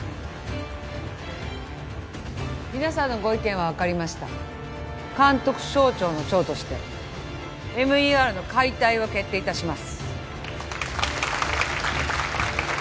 皆さんのご意見は分かりました監督省庁の長としてＭＥＲの解体を決定いたします